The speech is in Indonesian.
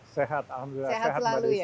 sehat alhamdulillah sehat selalu ya